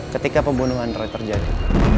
ketika pembunuhan roy terjadi